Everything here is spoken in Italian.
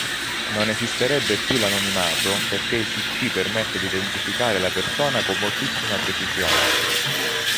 Non esisterebbe più l'anonimato perché il TC permette di identificare la persona con moltissima precisione.